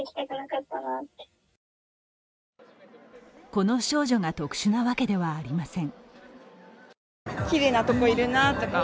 この少女が特殊なわけではありません。